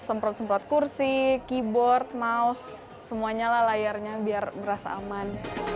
semprot semprot kursi keyboard mouse semuanya lah layarnya biar berasa aman